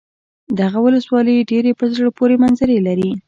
دغه ولسوالي ډېرې په زړه پورې منظرې لري.